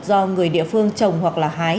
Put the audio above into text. do người địa phương trồng hoặc hái